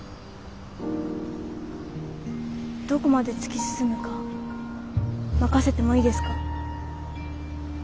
どこまで突き進むか任せてもいいですか？